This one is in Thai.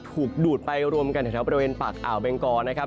ดูดไปรวมกันแถวบริเวณปากอ่าวเบงกอนะครับ